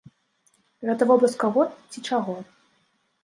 Гэта вобраз каго ці чаго?